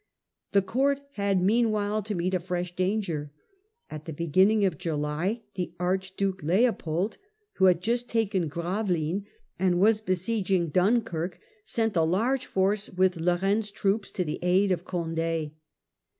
The court had meanwhile to meet a fresh danger. At the beginning of July the Archduke Leopold, who had S anish J ust ta ^ en Gravel ines, and was besieging invasion, Dunkirk, sent a large force with Lorraine's July 165a. droops to the aid of Condd.